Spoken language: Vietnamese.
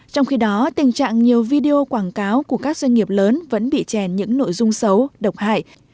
trong khi đó tình trạng nhiều video quảng cáo của các doanh nghiệp lớn vẫn bị chèn những nội dung xấu độc hại